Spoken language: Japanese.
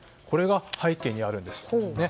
これが背景にあるんです。